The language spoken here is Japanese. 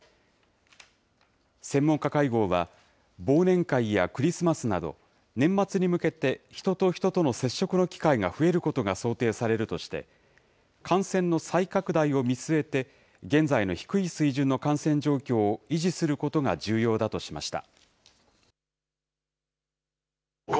専門家会合は、忘年会やクリスマスなど、年末に向けて、人と人との接触の機会が増えることが想定されるとして、感染の再拡大を見据えて、現在の低い水準の感染状況を維持することが重要だとしました。